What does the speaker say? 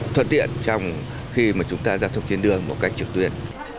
thuận tiện trong khi mà chúng ta giao thông trên đường một cách trực tuyến